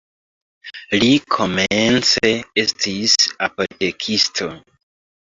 Li komence estis apotekisto.